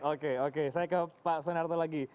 oke oke saya ke pak sunarto lagi